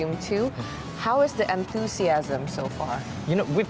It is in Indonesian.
bagaimana entusiasme sejauh ini